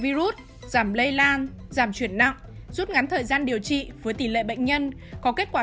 virus giảm lây lan giảm chuyển nặng rút ngắn thời gian điều trị với tỷ lệ bệnh nhân có kết quả